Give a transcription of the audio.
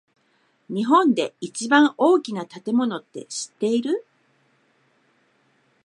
日本で一番大きな建物って知ってる？